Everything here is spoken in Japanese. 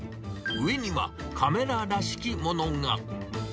上にはカメラらしきものが。